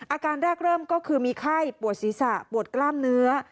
อาการแรกเริ่มก็คือมีไข้ปวดศีรษะปวดกล้ามเนื้อ